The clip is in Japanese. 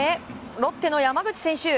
ロッテの山口選手。